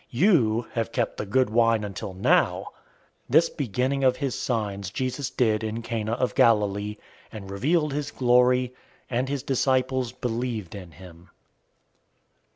You have kept the good wine until now!" 002:011 This beginning of his signs Jesus did in Cana of Galilee, and revealed his glory; and his disciples believed in him.